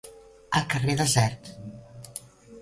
El carrer desert.